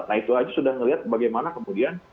nah itu aja sudah melihat bagaimana kemudian